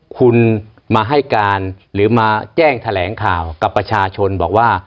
คุณมาให้การหรือมาแจ้งแถลงข่าวกับประชาชนบอกว่า